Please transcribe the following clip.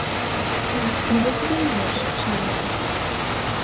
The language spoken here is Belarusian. Так, мы выступілі лепш, чым летась.